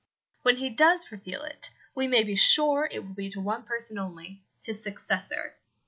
'" When he does reveal it, we may be sure it will be to one person only his successor.